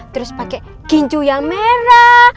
terus pakai kinju yang merah